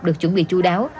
được chuẩn bị chú đáo